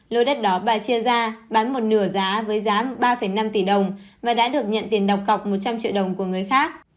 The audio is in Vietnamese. lô đất đó bà chia ra bán một nửa giá với giá ba năm tỷ đồng và đã được nhận tiền đọc cọc một trăm linh triệu đồng của người khác